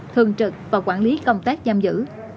thường trực và quản lý công tác giam giữ